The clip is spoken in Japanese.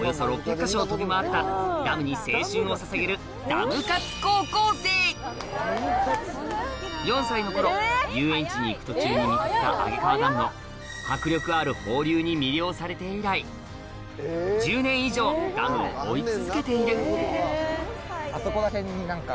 およそ６００か所を飛び回ったダムに青春をささげる４歳の頃遊園地に行く途中に見かけた揚川ダムの迫力ある放流に魅了されて以来１０年以上ダムを追い続けているあそこら辺に何か。